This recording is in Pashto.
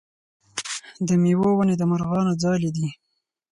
د میوو ونې د مرغانو ځالې دي.